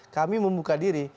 kami membuka diri